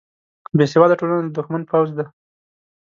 بیسواده ټولنه د دښمن پوځ دی